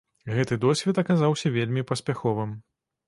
Гэты досвед аказаўся вельмі паспяховым.